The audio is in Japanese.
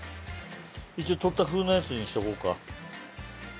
一応取った風のやつにしとこうか。